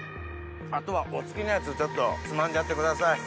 あとはお好きなやつつまんじゃってください。